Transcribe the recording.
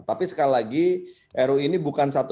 tapi sekali lagi ru ini bukan satu